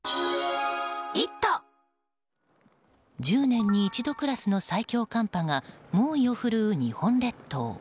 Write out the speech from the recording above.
１０年に一度クラスの最強寒波が猛威を振るう日本列島。